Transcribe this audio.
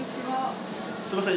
すみません